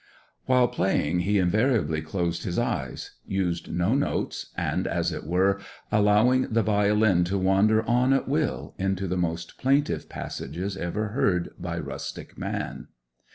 While playing he invariably closed his eyes; using no notes, and, as it were, allowing the violin to wander on at will into the most plaintive passages ever heard by rustic man.